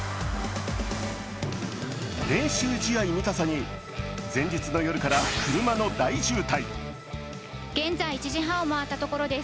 練習試合見たさに、前日の夜から車の大渋滞。